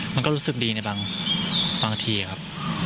มันก็รู้สึกดีในบางทีครับ